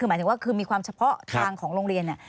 หมายถึงว่ามีความเฉพาะทางของโรงเรียน